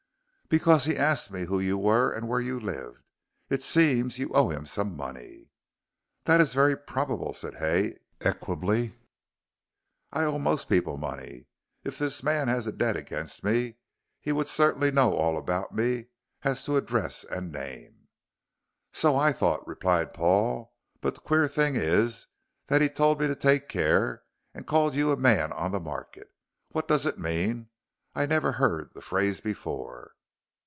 "Because he asked me who you were and where you lived. It seems you owe him some money." "That is very probable," said Hay, equably. "I owe most people money, and if this man has a debt against me he would certainly know all about me as to address and name." "So I thought," replied Paul, "but the queer thing is that he told me to take care, and called you a man on the market. What does it mean? I never heard the phrase before."